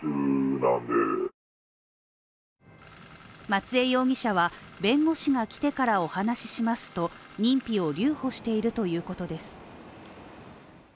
松江容疑者は弁護士が来てからお話ししますと認否を留保しているということです。